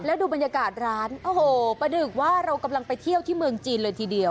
แล้วดูบรรยากาศร้านโอ้โหประดึกว่าเรากำลังไปเที่ยวที่เมืองจีนเลยทีเดียว